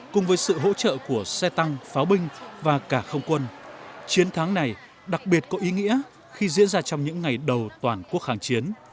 cùng với sự hỗ trợ của xe tăng pháo binh và cả không quân chiến thắng này đặc biệt có ý nghĩa khi diễn ra trong những ngày đầu toàn quốc kháng chiến